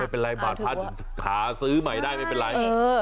ไม่เป็นไรบาทพระถึงหาซื้อใหม่ได้ไม่เป็นไร